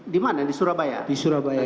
dimana di surabaya